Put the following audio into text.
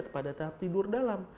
pada tahap tidur dalam